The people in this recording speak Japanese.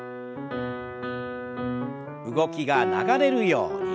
動きが流れるように。